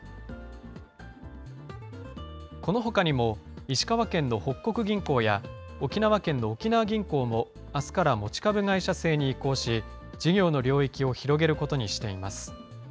このほかにも、石川県の北國銀行や、沖縄県の沖縄銀行も、あすから持ち株会社制に移行し、事業の領域を広げることにしています。